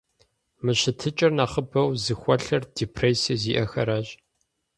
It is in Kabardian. Мы щытыкӀэр нэхъыбэу зыхуэлъэр депрессие зиӀэхэращ.